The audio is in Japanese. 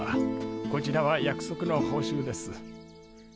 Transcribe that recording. こちらは約束の報酬です。